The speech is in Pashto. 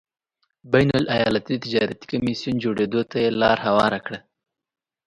بین الایالتي تجارتي کمېسیون جوړېدو ته یې لار هواره کړه.